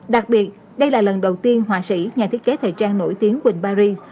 đặc biệt đây là lần đầu tiên họa sĩ nhà thiết kế thời trang nổi tiếng quỳnh bari